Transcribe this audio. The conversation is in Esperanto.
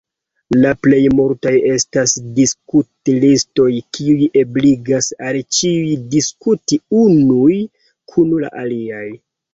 La plej multaj estas "diskut-listoj" kiuj ebligas al ĉiuj diskuti unuj kun la aliaj.